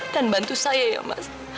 dan bantu saya ya mas